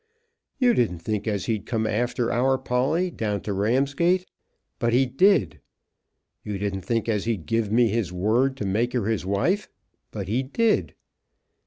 You didn't think as he'd come after our Polly down to Ramsgate, but he did. You didn't think as he'd give me his word to make her his wife, but he did."